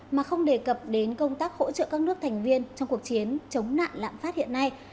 mà không đề cập đến công tác hỗ trợ các nước thành viên trong cuộc chiến chống nạn lạm phát hiện nay